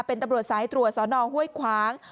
เป็นตำรวจสายตรวจสอนอห้วยขวาง